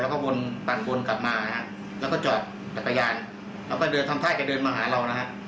แล้วก็วนปักวนกลับมาแล้วก็จอดจักรยานแล้วก็เดินทำท่าจะเดินมาหาเรานะฮะ